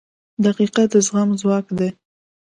• دقیقه د زغم ځواک دی.